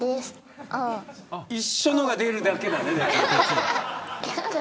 一緒のが出るだけだ。